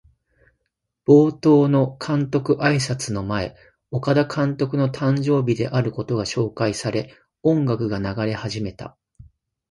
冒頭の監督あいさつの前、岡田監督の誕生日であることが紹介され、音楽が流れ始めた。